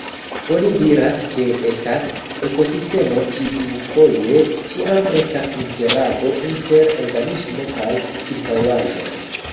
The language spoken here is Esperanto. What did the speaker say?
Oni diras, ke estas ekosistemo, ĉiufoje kiam estas interago inter organismo kaj ĉirkaŭaĵo.